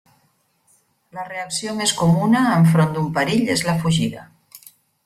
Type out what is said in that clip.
La reacció més comuna enfront d'un perill és la fugida.